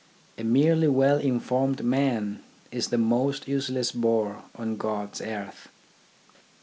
A merely well informed man is the most useless bore on God's earth.